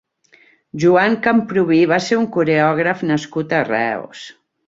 Joan Camprubí va ser un coreògraf nascut a Reus.